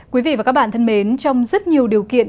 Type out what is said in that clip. quý vị và các bạn thân mến trong rất nhiều điều kiện